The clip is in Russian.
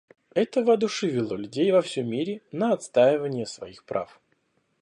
Это воодушевило людей во всем мире на отстаивание своих прав.